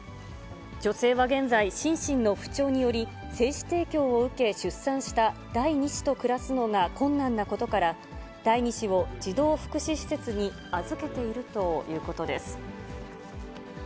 女性は現在、心身の不調により、精子提供を受け、出産した第２子と暮らすのが困難なことから、第２子を児童福祉施設に預けているということです。